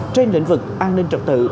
trên lĩnh vực an ninh trật tự